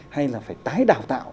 hay là phải tái đào tạo